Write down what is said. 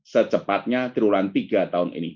secepatnya triwulan tiga tahun ini